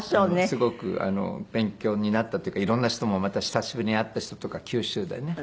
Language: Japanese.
すごく勉強になったというか色んな人もまた久しぶりに会った人とか九州でね。